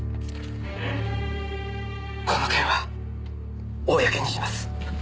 この件は公にします。